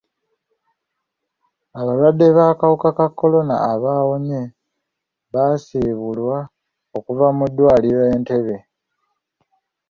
Abalwadde b'akawuka ka kolona abaawonye baasiibulwa okuva mu ddwaliro Entebbe.